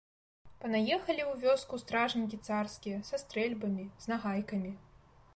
Панаехалі ў вёску стражнікі царскія, са стрэльбамі, з нагайкамі.